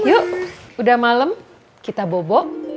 yuk udah malem kita bobok